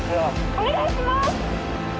☎お願いします！